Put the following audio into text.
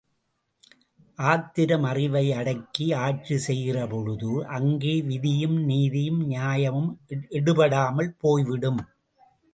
ஆத்திரம் அறிவை அடக்கி ஆட்சி செய்கிறபொழுது, அங்கே விதியும், நீதியும், நியாயமும் எடுபடாமல் போய்விடும்.